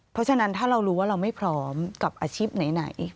เพราะฉะนั้นถ้าเรารู้ว่าเราไม่พร้อมกับอาชีพไหน